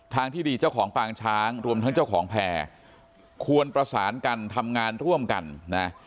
ที่ดีเจ้าของปางช้างรวมทั้งเจ้าของแพร่ควรประสานกันทำงานร่วมกันนะ